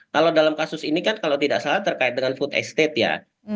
kalau dalam kasus ini kan kalau tidak salah terkait dengan food estate ya